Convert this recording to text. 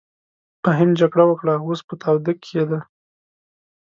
فهيم جګړه وکړه اوس په تاوده کښی دې.